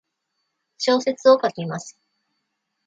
小説を書きます。